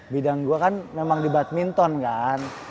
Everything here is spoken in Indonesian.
bidang gue kan memang di badminton kan